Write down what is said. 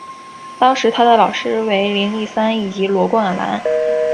当时他的老师为林立三以及罗冠兰。